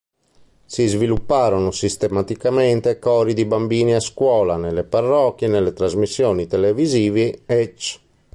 Si svilupparono sistematicamente cori di bambini a scuola, nelle parrocchie, nelle trasmissioni televisive, ecc.